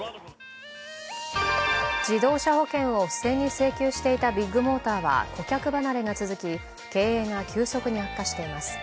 自動車保険を不正に請求していたビッグモーターは顧客離れが続き経営が急速に悪化しています。